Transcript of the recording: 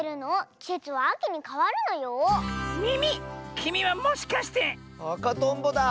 きみはもしかして⁉あかとんぼだ！